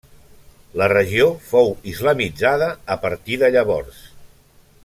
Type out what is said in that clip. La regió fou islamitzada a partir de llavors.